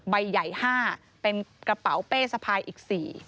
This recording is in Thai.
ใบใหญ่๕เป็นกระเป๋าเป้สะพายอีก๔